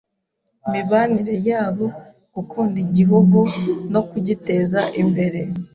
mibanire yabo, gukunda Igihugu no kugiteza imbere ;